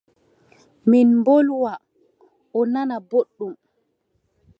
Min mbolwa o nana boɗɗum.